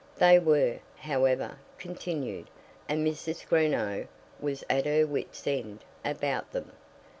They were, however, continued, and Mrs. Greenow was at her wits' end about them.